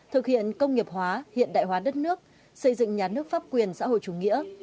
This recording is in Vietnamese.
thực hiện công nghiệp hóa hiện đại hóa đất nước xây dựng nhà nước pháp quyền xã hội chủ nghĩa